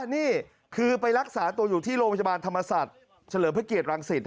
นี่คือไปรักษาตัวอยู่ที่โรงพยาบาลธรรมศาสตร์เฉลิมพระเกียรังสิต